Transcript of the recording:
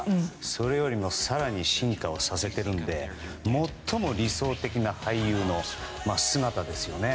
それよりも更に進化をさせてるので最も理想的な俳優の姿ですよね。